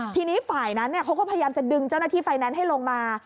ทีนี้ฝ่ายนั้นเขาก็พยายามจะดึงเจ้าหน้าที่ไฟแนนซ์ให้ลงมา